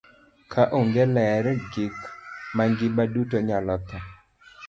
Ka onge ler, gik mangima duto nyalo tho.